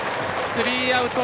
スリーアウト。